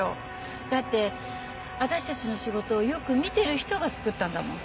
だって私たちの仕事をよく見てる人が作ったんだもん。